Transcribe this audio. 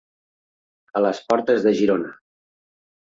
A les portes de Girona.